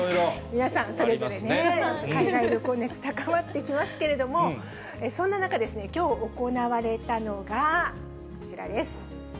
皆さん、それぞれ、海外旅行熱、高まってきますけれども、そんな中、きょう行われたのがこちらです。